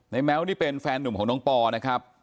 แม้วนี่เป็นแฟนหนุ่มของน้องปอนะครับ